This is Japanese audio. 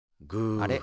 あれ？